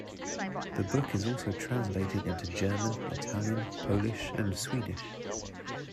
The book is also translated into German, Italian, Polish and Swedish.